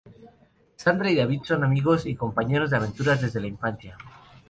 Sandra y David son amigos y compañeros de aventuras desde la infancia.